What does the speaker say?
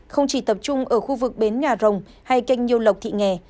không chỉ tập trung ở khu vực bến nhà rồng hay kênh nhiêu lộc thị nghè